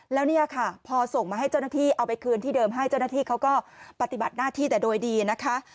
แล้วเนี่ยค่ะพอส่งมาให้เจ้าหน้าที่เอาไปคืนที่เดิมให้เจ้าหน้าที่เขาก็ปฏิบัติหน้าที่แต่โดยดีนะคะ